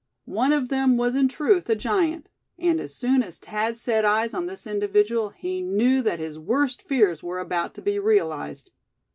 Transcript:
One of them was in truth a giant; and as soon as Thad set eyes on this individual he knew that his worst fears were about to be realized.